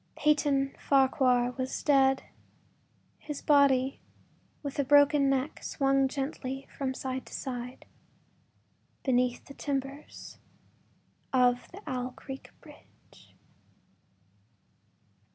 Peyton Farquhar was dead; his body, with a broken neck, swung gently from side to side beneath the timbers of the Owl Creek bridge.